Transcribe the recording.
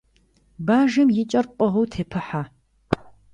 Бажэм и кӀэр пӀыгъыу тепыхьэ.